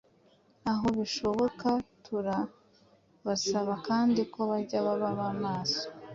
aho bishoboka, turabasaba kandi ko bajya baba maso